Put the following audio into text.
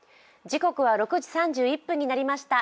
時刻は６時３１分になりました